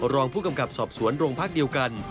รองผู้กำกับสอบสวนโรงพักเดียวกัน